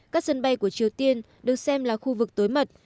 các sân bay của triều tiên được xem là khu vực tối mật